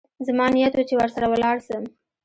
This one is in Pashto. زما نيت و چې ورسره ولاړ سم.